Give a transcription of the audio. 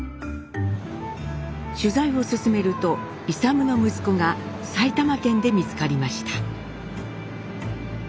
取材を進めると勇の息子が埼玉県で見つかりました。